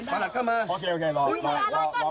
ไม่ประหลักประหลักจะเข้ามาได้ไหมครับ